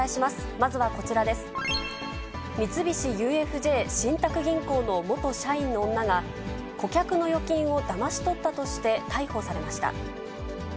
まずはこちらです。三菱ＵＦＪ信託銀行の元社員の女が、顧客の預金をだまし取ったとして逮捕されました。